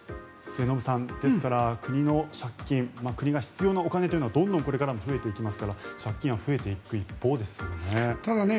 末延さん、ですから国の借金国が必要なお金というのはどんどんこれからも増えていきますから借金も増えていく一方ですね。